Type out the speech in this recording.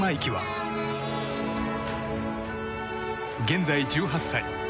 現在１８歳。